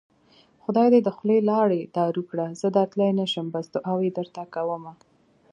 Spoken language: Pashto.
خدای دې د خولې لاړې دارو کړه زه درتلی نشم بس دوعا درته کوومه